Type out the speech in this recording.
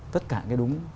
tất cả cái đúng